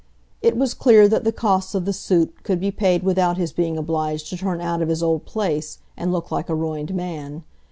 It was clear that the costs of the suit could be paid without his being obliged to turn out of his old place, and look like a ruined man.